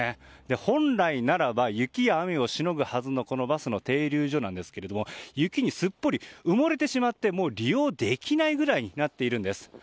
本来ならば雪や雨をしのぐためのバスの停留所ですが雪にすっぽり埋もれてしまって利用できないぐらいになっているんです。